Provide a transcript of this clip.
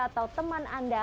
atau teman anda